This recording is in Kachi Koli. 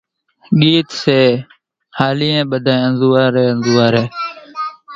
ڳيت سيھاليئين ٻڌانئين انزوئاري انزوئاري،